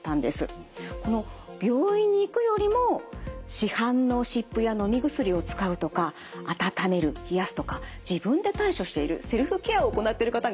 この「病院に行く」よりも「市販の湿布・のみ薬を使う」とか「温める・冷やす」とか自分で対処しているセルフケアを行っている方が多かったんです。